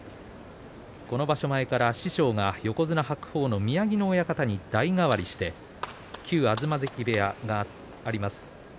この場所前から師匠が横綱白鵬の宮城野親方に代替わりして旧東関部屋があります